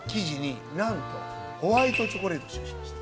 なんとホワイトチョコレートを使用しました。